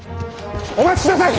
お待ちください！